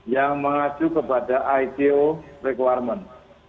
yang mengacu kepada ito requirement